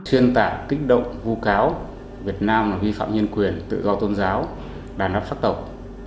chuyên tả kích động vô cáo việt nam là vi phạm nhân quyền tự do tôn giáo đàn áp phát tộc